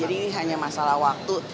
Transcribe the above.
jadi ini hanya masalah waktu